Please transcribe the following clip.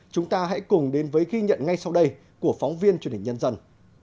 chúng ta hãy cùng đến với ghi nhận ngay sau đây của phóng viên truyền hình nhân dân